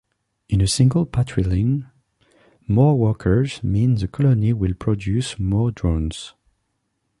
In a single patriline, more workers mean the colony will produce more drones.